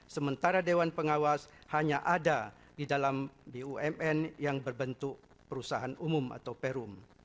sementara dewan pengawas hanya ada di dalam bumn yang berbentuk perusahaan umum atau perum